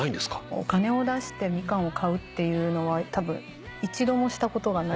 お金を出してミカンを買うっていうのはたぶん一度もしたことがないですね。